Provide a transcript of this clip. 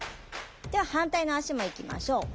では反対の足もいきましょう。